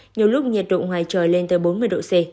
nhiều lúc nhiệt độ ngoài trời lên tới bốn mươi độ c